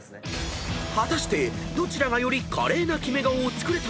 ［果たしてどちらがより華麗なキメ顔を作れたのか］